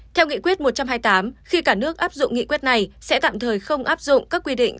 theo nghị quyết một trăm hai mươi tám khi cả nước áp dụng nghị quyết này sẽ tạm thời không áp dụng các quy định